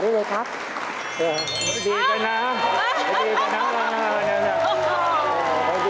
ปิดตาด้วยเลย